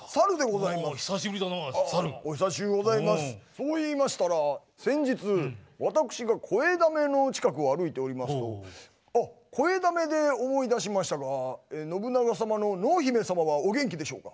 そう言いましたら先日私が肥だめの近くを歩いておりますとあ肥だめで思い出しましたが信長様の濃姫様はお元気でしょうか？